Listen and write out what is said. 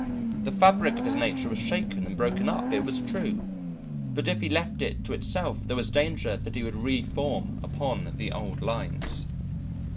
The fabric of his nature was shaken and broken up, it was true, but if he left it to itself there was danger that it would re form upon the old lines.